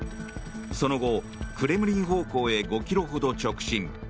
その後、クレムリン方向へ５ｋｍほど直進。